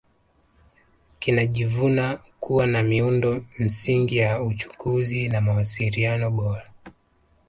Kinajivuna kuwa na miundo msingi ya uchukuzi na mawasiliano bora